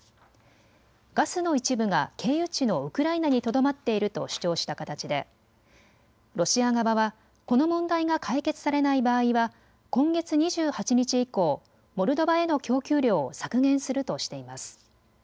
ガスの一部が経由地のウクライナにとどまっていると主張した形でロシア側はこの問題が解決されない場合は今月２８日以降、モルドバへの供給量を削減するとしています。